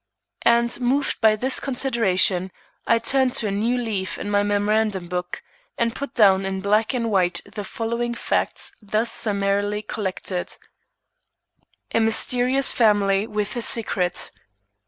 And moved by this consideration, I turned to a new leaf in my memorandum book, and put down in black and white the following facts thus summarily collected: "A mysterious family with a secret.